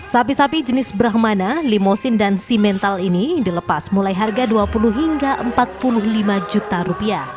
sapi sapi jenis brahmana limosin dan simental ini dilepas mulai harga rp dua puluh hingga rp empat puluh lima juta